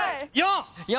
４！